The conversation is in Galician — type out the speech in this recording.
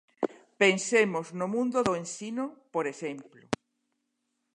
Pensemos no mundo do ensino, por exemplo.